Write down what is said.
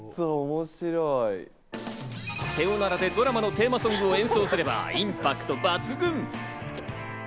手おならでドラマのテーマソングを演奏すればインパクト抜群！